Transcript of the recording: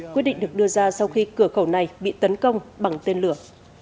quyết định được đưa ra sau khi cửa khẩu này bị tấn công bằng tên lửa